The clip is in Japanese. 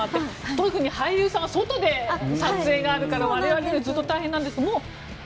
特に俳優さんは外で撮影があるから我々よりも大変なんですけど。